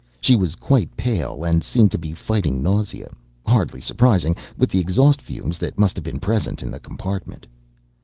She was quite pale, and seemed to be fighting nausea hardly surprising, with the exhaust fumes that must have been present in the compartment.